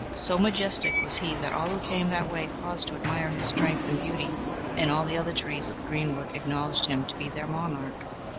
So majestic was he that all who came that way paused to admire his strength and beauty, and all the other trees of the greenwood acknowledged him to be their monarch.